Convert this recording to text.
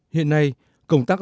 hiện nay công tác